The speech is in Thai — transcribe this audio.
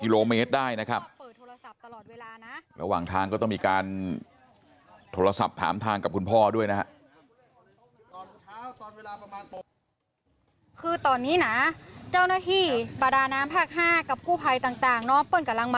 ระหว่างทางก็ต้องมีการโทรสัตว์ถามทางกับคุณพ่อด้วยนะครับ